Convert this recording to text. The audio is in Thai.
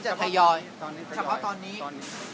เฉพาะตอนนี้